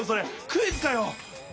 クイズかよ。